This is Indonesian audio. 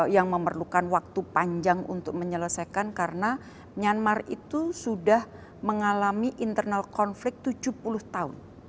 yang memerlukan waktu panjang untuk menyelesaikan karena myanmar itu sudah mengalami internal konflik tujuh puluh tahun